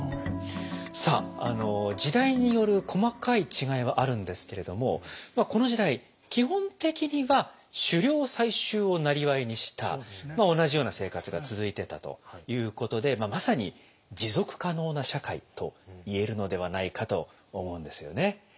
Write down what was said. さあ時代による細かい違いはあるんですけれどもまあこの時代基本的には狩猟採集を生業にした同じような生活が続いていたということでまあまさに「持続可能な社会」と言えるのではないかと思うんですよね。